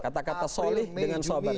kata kata solih dengan sobat